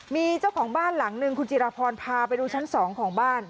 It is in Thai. มีเจ้าของบ้านหลังนึงคุณจิรพรพาไปดูชั้น๒ของบ้าน